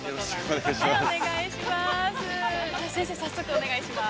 ◆お願いします。